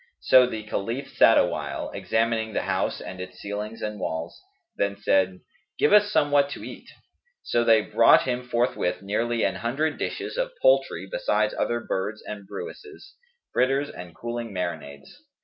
So the Caliph sat awhile, examining the house and its ceilings and walls, then said, "Give us somewhat to eat." So they brought him forthwith nearly an hundred dishes of poultry besides other birds and brewises, fritters and cooling marinades.